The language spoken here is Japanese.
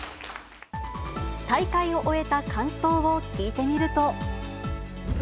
大会を終えた感想を聞いてみると。